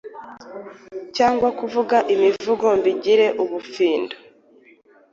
cyangwa kuvuga imivugo mbigira ubufindo.